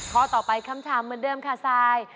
ข้อต่อไปคำถามเหมือนเดิมค่ะซาย